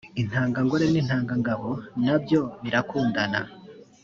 intanga ngore n intanga ngabo na byo birakundana